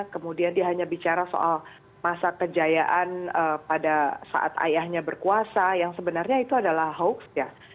kemudian dia hanya bicara soal masa kejayaan pada saat ayahnya berkuasa yang sebenarnya itu adalah hoax ya